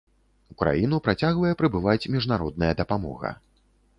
У краіну працягвае прыбываць міжнародная дапамога.